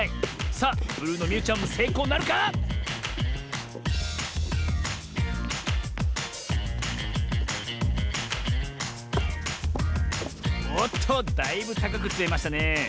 さあブルーのみゆちゃんもせいこうなるか⁉おっとだいぶたかくつめましたねえ。